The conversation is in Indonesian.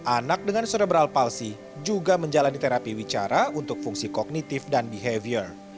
anak dengan serebral palsi juga menjalani terapi wicara untuk fungsi kognitif dan behavior